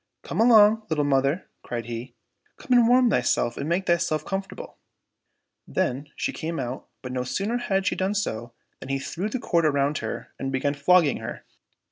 —" Come along, little mother !" cried he ;" come and warm thyself and make thyself com fortable." Then she came out, but no sooner had she done so, than he threw the cord around her and began flogging her.